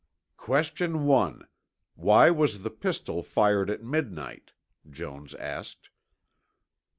"Question one. Why was the pistol fired at midnight?" Jones asked.